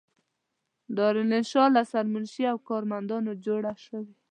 دارالانشأ له سرمنشي او کارمندانو جوړه شوې.